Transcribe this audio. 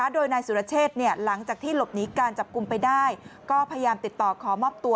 โดยนายสุรเชษหลังจากที่หลบหนีการจับกลุ่มไปได้ก็พยายามติดต่อขอมอบตัว